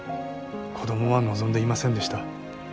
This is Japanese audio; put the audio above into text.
子どもは望んでいませんでした。